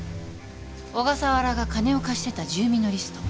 小笠原が金を貸してた住民のリスト。